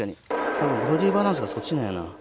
ボディーバランスがそっちなんやな。